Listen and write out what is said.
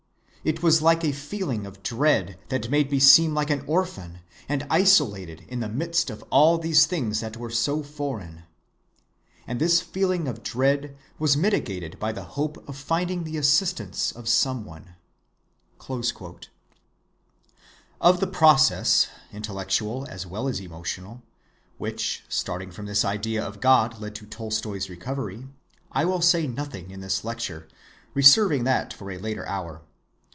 It was like a feeling of dread that made me seem like an orphan and isolated in the midst of all these things that were so foreign. And this feeling of dread was mitigated by the hope of finding the assistance of some one."(80) Of the process, intellectual as well as emotional, which, starting from this idea of God, led to Tolstoy's recovery, I will say nothing in this lecture, reserving it for a later hour.